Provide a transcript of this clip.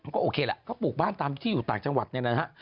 ก็โอเคแหละเขาปลูกบ้านตามที่อยู่ต่างจังหวัดเนี่ยนะฮะ